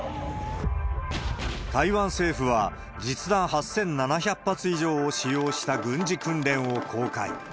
台湾政府は、実弾８７００発以上を使用した軍事訓練を公開。